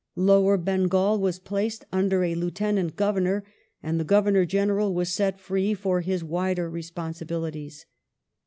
Lower Bengal was placed under a Lieutenant Governor, and the Governor General was set free for his wider responsibilities.